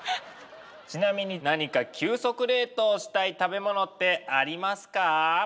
ちなみに何か急速冷凍したい食べ物ってありますか？